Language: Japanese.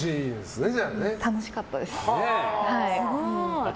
楽しかったです。